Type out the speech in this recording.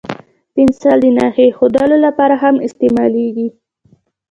پنسل د نښې اېښودلو لپاره هم استعمالېږي.